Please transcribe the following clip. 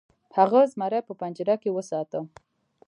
هغه زمری په پنجره کې وساته.